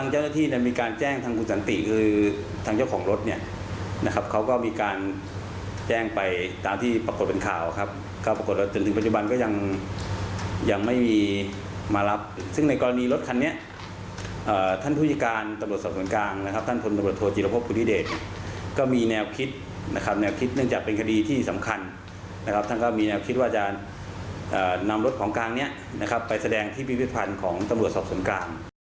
นำรถของกลางนี้ไปแสดงที่พิพิธภัณฑ์ของตำรวจสอบสนกลาง